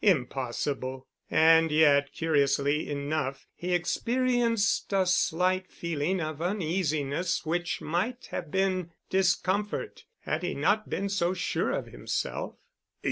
Impossible. And yet curiously enough, he experienced a slight feeling of uneasiness which might have been discomfort had he not been so sure of himself.